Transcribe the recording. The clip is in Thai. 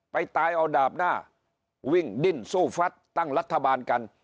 ตายเอาดาบหน้าวิ่งดิ้นสู้ฟัดตั้งรัฐบาลกัน